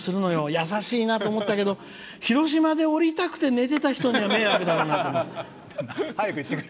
優しいなと思ったけど広島で降りたかった人には迷惑だったろうなと思って。